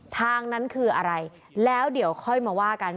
ทางนั้นคืออะไรแล้วเดี๋ยวค่อยมาว่ากัน